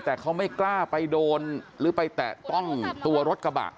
แต่เขาไม่กล้าไปโดนหรือไปแตะต้องตัวรถกระบะ